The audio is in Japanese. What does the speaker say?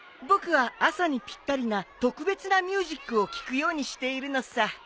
僕は朝にぴったりな特別なミュージックを聴くようにしているのさ。